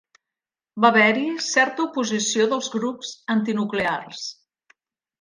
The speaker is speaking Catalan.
Va haver-hi certa oposició dels grups antinuclears.